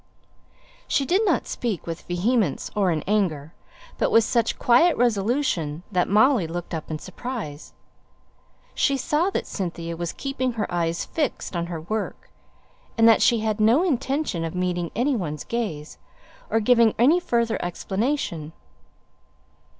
She did not speak with vehemence or in anger; but with such quiet resolution that Molly looked up in surprise. She saw that Cynthia was keeping her eyes fixed on her work, and that she had no intention of meeting any one's gaze, or giving any further explanation.